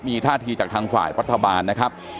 มีท่าทีจากทางฝ่ายรัฐบาลนะครับ